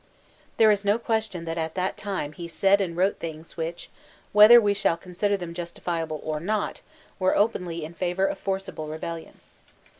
There b no question that at that time he said and wrote things which, whether we shall consider them justifiable or not, were openly in favor of forcible rebellion.